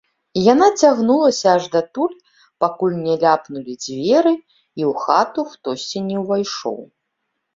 Яна цягнулася аж датуль, пакуль не ляпнулі дзверы і ў хату хтосьці не ўвайшоў.